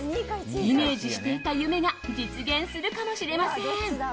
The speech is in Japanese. イメージしていた夢が実現するかもしれません。